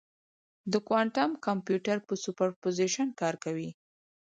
د کوانټم کمپیوټر په سوپرپوزیشن کار کوي.